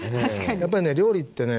やっぱりね料理ってね